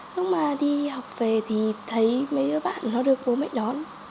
lúc mà đi học về thì thấy mấy bạn nó được bố mẹ đón